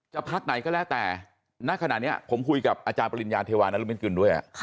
พักไหนก็แล้วแต่ณขณะนี้ผมคุยกับอาจารย์ปริญญาเทวานรุมินกุลด้วย